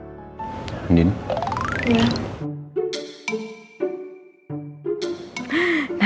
masa iya sih mas al gak inget ulang tahun aku